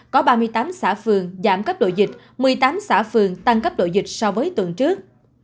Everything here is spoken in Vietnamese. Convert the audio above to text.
có ba mươi tám xã phường giảm cấp độ dịch một mươi tám xã phường tăng cấp độ dịch so với tuần trước